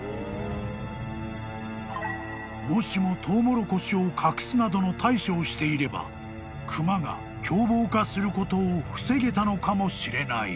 ［もしもトウモロコシを隠すなどの対処をしていればクマが凶暴化することを防げたのかもしれない］